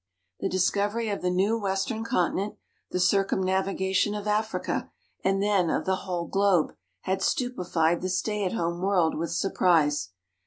The discovery of the new western continent, the circumnavigation of Africa, and then of the whole globe, had stupefied the stay at home world with surprise.